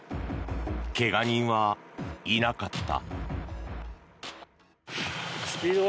怪我人はいなかった。